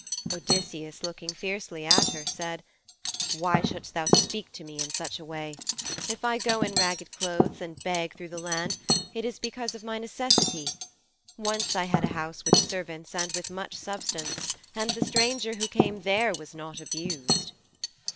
Odysseus, looking fiercely at her, said, 'Why shouldst thou speak to me in such a way? If I go in ragged clothes and beg through the land it is because of my necessity. Once I had a house with servants and with much substance, and the stranger who came there was not abused.'